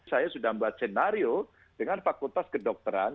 saya sudah membuat senario dengan fakultas kedokteran